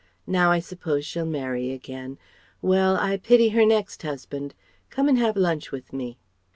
Now I suppose she'll marry again. Well! I pity her next husband. Come and have lunch with me."